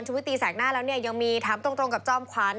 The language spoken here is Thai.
ชุวิตตีแสดหน้าแล้วยังมีถามตรงกับจอมควัน